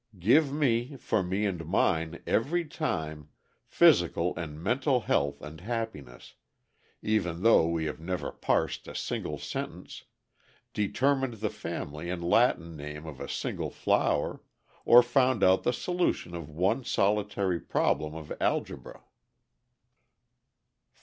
Give me, for me and mine, every time, physical and mental health and happiness, even though we have never parsed a single sentence, determined the family and Latin name of a single flower, or found out the solution of one solitary problem of algebra. 4.